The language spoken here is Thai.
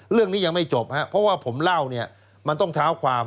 เรื่องนี้ยังไม่จบครับเพราะว่าผมเล่าเนี่ยมันต้องเท้าความ